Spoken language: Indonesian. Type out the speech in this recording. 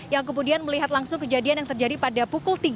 yang kemudian melihat langsung kejadian yang terjadi pada pukul tiga